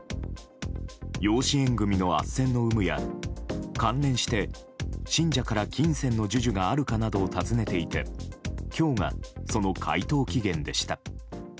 養子縁組のあっせんの有無や関連して、信者から金銭の授受があるかなどを尋ねていて今日がその回答期限でした。